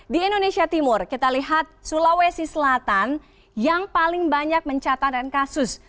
di indonesia timur kita lihat sulawesi selatan yang paling banyak mencatatkan kasus